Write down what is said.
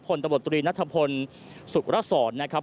ผลตำรวจตรีนัฐพนธ์สุรสรรค์นะครับ